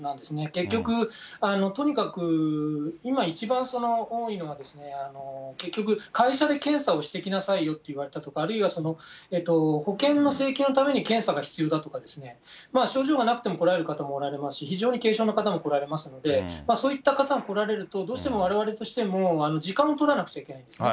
結局、とにかく今一番多いのは、結局、会社で検査をしてきなさいよと言われたとか、あるいは保険の請求のために検査が必要だとか、症状がなくても来られる方もおられますし、非常に軽症の方も来られますんで、そういった方が来られると、どうしてもわれわれとしても、時間を取らなくちゃいけないんですね。